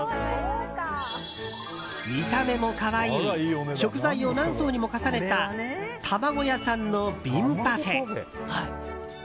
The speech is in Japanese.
見た目も可愛い食材を何層にも重ねたたまご屋さんの瓶パフェ。